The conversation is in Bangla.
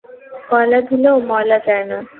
কয়লা ধুলেও ময়লা যায় না।